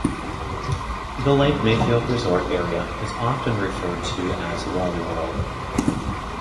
The Lake Mayfield Resort area is often referred to as 'Wally World'.